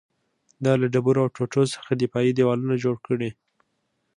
دا له ډبرو او ټوټو څخه دفاعي دېوالونه جوړ کړي